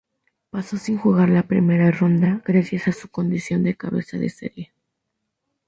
Pasó sin jugar la primera ronda, gracias a su condición de cabeza de serie.